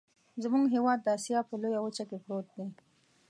زمونږ هیواد د اسیا په لویه وچه کې پروت دی.